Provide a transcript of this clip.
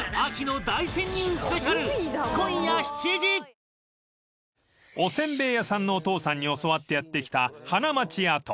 「ＧＯＬＤ」も［お煎餅屋さんのお父さんに教わってやって来た花街跡］